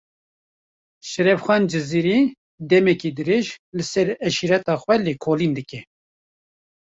Şerefxan Cizîrî, demeke dirêj, li ser eşîreta xwe lêkolîn dike